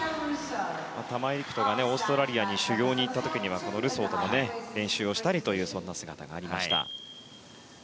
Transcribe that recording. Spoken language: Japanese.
玉井陸斗がオーストラリアに修行に行った時にはルソーと練習をしたりという姿がありました。